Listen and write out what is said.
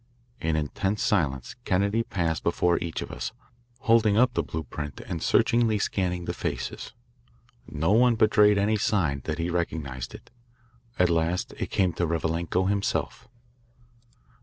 In intense silence Kennedy passed before each of us, holding up the blue print and searchingly scanning the faces. No one betrayed by any sign that he recognised it. At last it came to Revalenko himself.